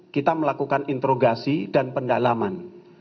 kita melakukan interogasi dan pendalaman